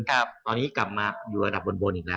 ตอนนี้กลับมาอยู่ระดับบนอีกแล้ว